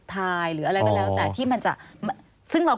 สวัสดีค่ะที่จอมฝันครับ